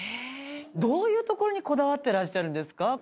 どういうところにこだわってらっしゃるんですか？